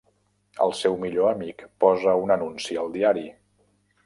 El seu millor amic posa un anunci al diari!